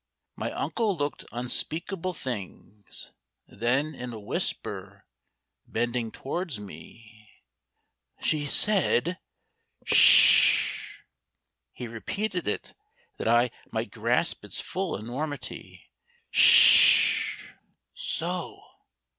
My uncle looked unspeakable things. Then in a whisper, bending towards me: "She said Sssh!" He repeated it that I might grasp its full enormity, "Sssh! so!"